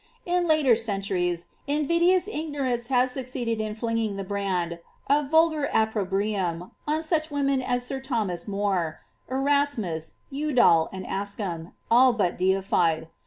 In later centuries, invidious ignorance has succeeded in flinging the brand of vulgar oppro brium on such women as sir Thomas More, Erasmus, Udal, and Ascham, all but deified.